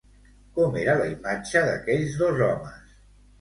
Com era la imatge d'aquells dos homes?